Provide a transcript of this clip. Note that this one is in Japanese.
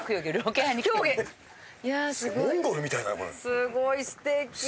すごいステキ。